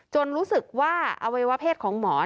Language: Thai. รู้สึกว่าอวัยวะเพศของหมอ